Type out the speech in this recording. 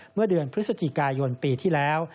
เมื่อเดือนพฤศจิกายนปีที่แล้ว